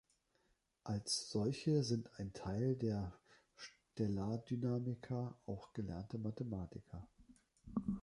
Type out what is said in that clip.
Als solche sind ein Teil der Stellardynamiker auch gelernte Mathematiker.